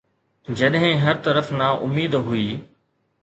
جڏهن هر طرف نا اميد هئي.